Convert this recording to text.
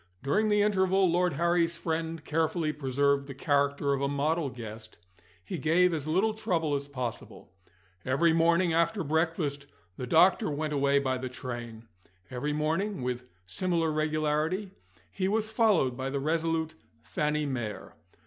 During the interval, Lord Harry's friend carefully preserved the character of a model guest he gave as little trouble as possible. Every morning after breakfast the doctor went away by the train. Every morning (with similar regularity) he was followed by the resolute Fanny Mere.